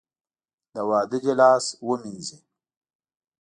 د واده دې لاس ووېنځي .